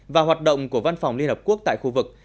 và hoạt động của văn phòng liên hợp quốc tại khu vực